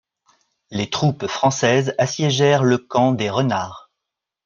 Les troupes françaises assiégèrent le camp des Renards.